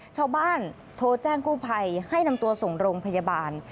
ชาวบ้านโทรแจ้งกู้ภัยให้นำตัวส่งโรงพยาบาล